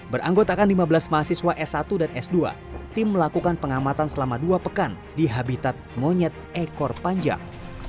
beranggotakan lima belas mahasiswa s satu dan s dua tim melakukan pengamatan selama dua pekan di habitat monyet ekor panjang